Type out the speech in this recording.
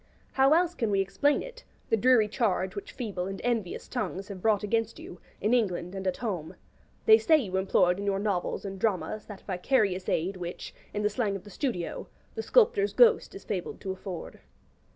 How else can we explain it, the dreary charge which feeble and envious tongues have brought against you, in England and at home? They say you employed in your novels and dramas that vicarious aid which, in the slang of the studio, the 'sculptor's ghost' is fabled to afford.